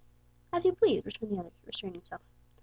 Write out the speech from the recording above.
"As you please," returned the other, restraining himself.